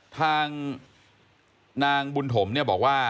ทางนางบุญถมบอกว่า